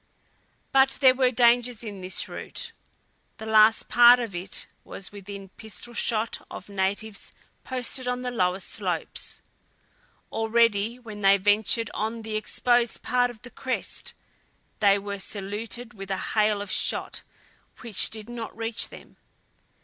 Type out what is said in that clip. But there were dangers in this route; the last part of it was within pistol shot of natives posted on the lower slopes. Already when they ventured on the exposed part of the crest, they were saluted with a hail of shot which did not reach them.